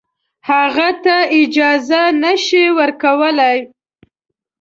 هغه ته اجازه نه شي ورکولای.